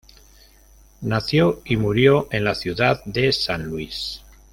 Nació y murió en la Ciudad de San Luis.